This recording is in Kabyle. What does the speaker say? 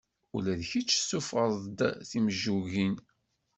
Ula d kečč tessufɣeḍ-d timejjugin.